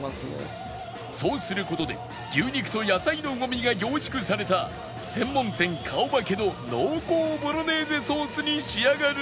そうする事で牛肉と野菜のうまみが凝縮された専門店顔負けの濃厚ボロネーゼソースに仕上がるのだ